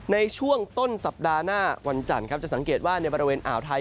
ในช่วงต้นสัปดาห์หน้าวันจันทร์ครับจะสังเกตว่าในบริเวณอ่าวไทย